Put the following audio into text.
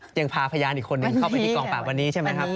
ยังพาพยานอีกคนหนึ่งเข้าไปที่กองปราบวันนี้ใช่ไหมครับ